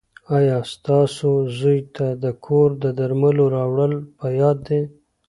ایا ستاسو زوی ته د کور د درملو راوړل په یاد دي؟